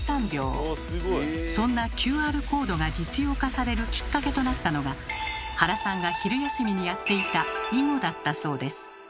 そんなＱＲコードが実用化されるきっかけとなったのが原さんが昼休みにやっていた囲碁だったそうです。